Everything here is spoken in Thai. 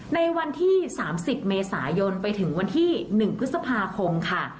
ในวันที่๓๐เมษายนไปถึงวันที่๑พฤษภาคมค่ะ